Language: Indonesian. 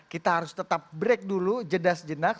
kita harus tetap break dulu jedas jenak